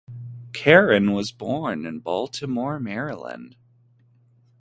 Karen was born in Baltimore, Maryland.